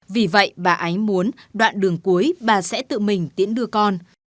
vì vậy bà ái muốn đoạn đường cuối bà sẽ tự mình tiễn đưa con